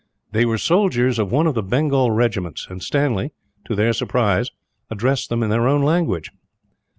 They were soldiers of one of the Bengal regiments; and Stanley, to their surprise, addressed them in their own language.